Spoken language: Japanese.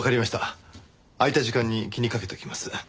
空いた時間に気にかけておきます。